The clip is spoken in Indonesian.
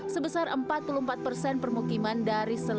sebesar empat puluh empat persen permukiman dari seluruh